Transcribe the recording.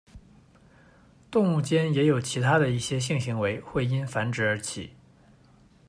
动物间也有其他的一些性行为会因繁殖而起。